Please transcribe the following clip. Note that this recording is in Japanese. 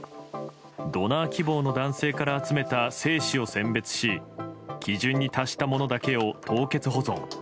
ドナー希望の男性から集めた精子を選別し基準に達したものだけを凍結保存。